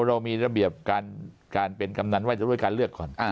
เรามีระเบียบการเป็นกำนันว่าจะด้วยการเลือกก่อน